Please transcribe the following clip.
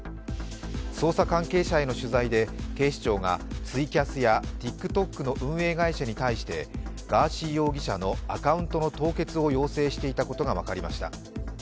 捜査関係者への取材で警視庁がツイキャスやＴｉｋＴｏｋの運営会社に対してガーシー容疑者のアカウント凍結を要請していたことが分かりました。